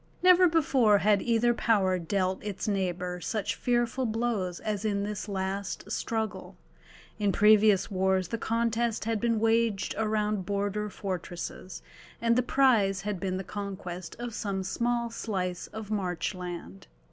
Never before had either power dealt its neighbour such fearful blows as in this last struggle: in previous wars the contest had been waged around border fortresses, and the prize had been the conquest of some small slice of marchland.